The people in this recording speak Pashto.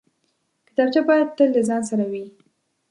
کتابچه باید تل له ځان سره وي